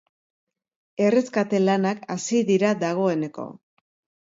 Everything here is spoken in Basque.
Erreskate lanak hasi dira dagoeneko.